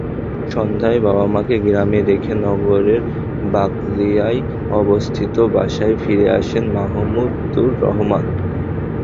সন্ধ্যায় বাবা-মাকে গ্রামে রেখে নগরের বাকলিয়ায় অবস্থিত বাসায় ফিরে আসেন মাহমুদুর রহমান।